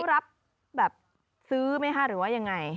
รับแบบซื้อไหมคะหรือว่ายังไง